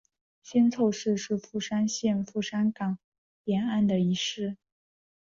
新凑市是富山县富山湾沿岸的一市。